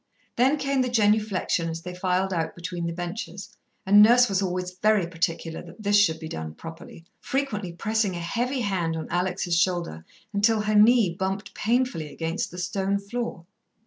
Then came the genuflection as they filed out between the benches, and Nurse was always very particular that this should be done properly, frequently pressing a heavy hand on Alex's shoulder until her knee bumped painfully against the stone floor.